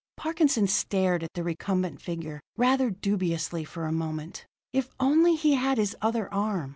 Parkinson stared at the recumbent figure rather dubiously for a moment. If only he had his other arm!